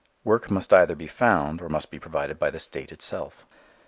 Work must either be found or must be provided by the State itself.